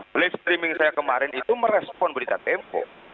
blastreaming saya kemarin itu merespon berita tempo